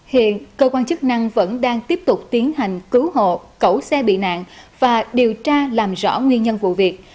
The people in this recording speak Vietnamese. hiện cơ quan chức năng vẫn đang tiếp tục tiến hành cứu hộ cẩu xe bị nạn và điều tra làm rõ nguyên nhân vụ việc